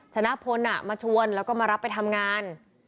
ชนะพลมาชวนแล้วก็มารับไปทำงาน